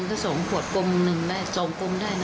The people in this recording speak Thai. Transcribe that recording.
อันนั้นก็สองขวดกลมหนึ่งได้สองกลมได้นะ